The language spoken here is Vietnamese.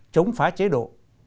chống phá chế độ